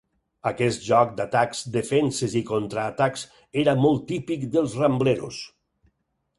Aquest joc d'atacs, defenses i contraatacs era molt típic dels Rambleros.